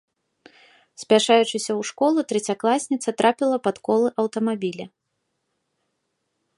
Спяшаючыся ў школу, трэцякласніца трапіла пад колы аўтамабіля.